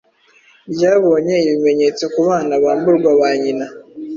ryabonye ibimenyetso ku bana bamburwa ba nyina